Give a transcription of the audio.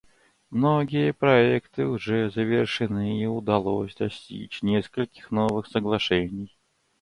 Многие проекты уже завершены, и удалось достичь нескольких новых соглашений.